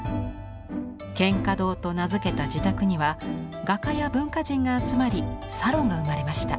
「蒹葭堂」と名付けた自宅には画家や文化人が集まりサロンが生まれました。